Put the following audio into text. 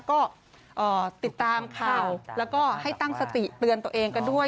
ก็ติดตามข่าวแล้วก็ให้ตั้งสติเตือนตัวเองกันด้วย